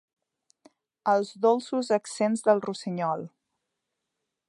Els dolços accents del rossinyol.